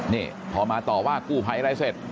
นี่พอมาต่อว่ากู้ภัยอะไรเสร็จ